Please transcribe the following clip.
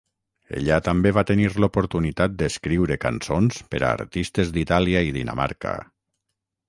Ella també va tenir l'oportunitat d'escriure cançons per a artistes d'Itàlia i Dinamarca.